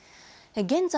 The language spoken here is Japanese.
現在、